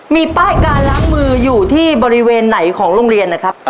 มีป้ายการล้างมืออยู่ที่บริเวณไหนของโรงเรียนนะครับ